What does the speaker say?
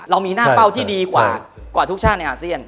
เรามีหน้าเป้าที่ดีกว่าทุกชาติในอาเซียน